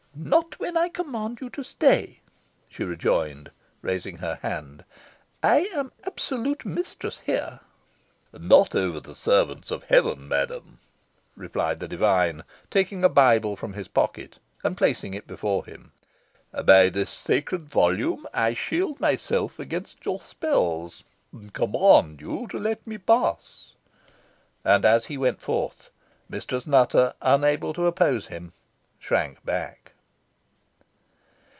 "Not when I command you to stay," she rejoined, raising her hand; "I am absolute mistress here." "Not over the servants of heaven, madam," replied the divine, taking a Bible from his pocket, and placing it before him. "By this sacred volume I shield myself against your spells, and command you to let me pass." And as he went forth, Mistress Nutter, unable to oppose him, shrank back.